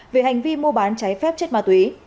về hành vi mua bán trái phép chất ma túy